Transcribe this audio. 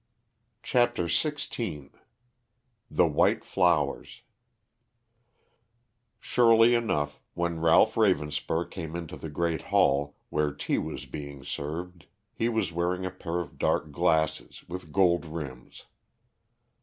CHAPTER XVI THE WHITE FLOWERS Surely enough, when Ralph Ravenspur came into the great hall, where tea was being served, he was wearing a pair of dark glasses, with gold rims.